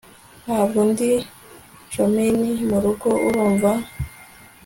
Ntabwo ndi comini murugoUrumva